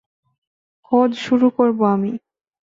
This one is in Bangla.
খোঁজ শুরু করব আমি।